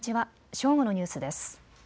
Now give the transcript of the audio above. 正午のニュースです。